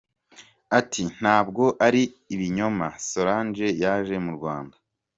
Ati "Ntabwo ari ibinyoma Solange yaje mu Rwanda.